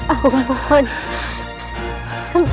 aku sudah berhenti